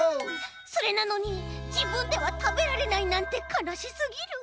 それなのにじぶんではたべられないなんてかなしすぎる。